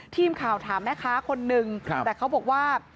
ทีมข่าวถามแม่ค้าคนนึงแต่เขาบอกว่า